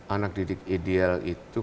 anak didik ideal itu